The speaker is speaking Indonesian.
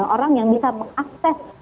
orang yang bisa mengakses